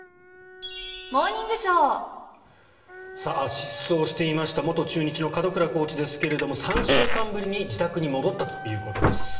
失踪していました元中日の門倉コーチですが３週間ぶりに自宅に戻ったということです。